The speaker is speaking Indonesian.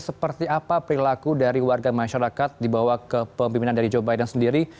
seperti apa perilaku dari warga masyarakat dibawa ke pembimbingan dari jawa badan sendiri